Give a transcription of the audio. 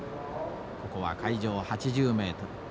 ここは海上８０メートル。